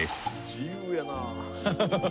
自由やな。